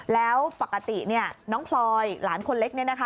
แล้วปกติน้องพลอยหลานคนเล็กนี้นะคะ